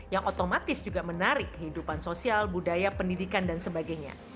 yang otomatis juga menarik kehidupan sosial budaya pendidikan dan sebagainya